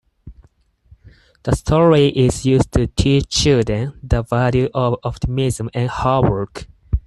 The story is used to teach children the value of optimism and hard work.